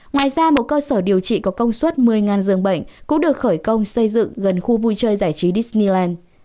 ngoài ra một cơ sở điều trị có công suất một mươi giường bệnh cũng được khởi công xây dựng gần khu vui chơi giải trí disnyland